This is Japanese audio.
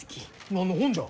何の本じゃ？